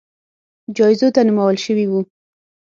جایزو ته نومول شوي وو